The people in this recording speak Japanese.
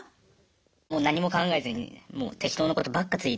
もう何も考えずにもう適当なことばっかツイートしてます。